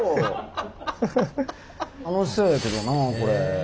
楽しそうやけどなあこれ。